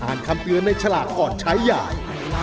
อ่านคำเตือนในฉลากก่อนใช้อย่าง